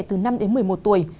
từ năm đến một mươi một tuổi